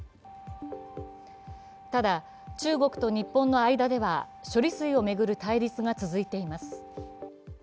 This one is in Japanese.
ただ、中国と日本の間では処理水を巡る対立が続いています。